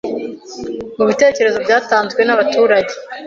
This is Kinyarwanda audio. mu bitekerezo byatanzwe n’abaturage